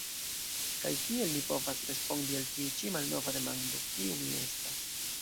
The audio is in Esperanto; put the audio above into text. Kaj kiel ni povas respondi al tiu ĉi malnova demando: Kiu mi estas?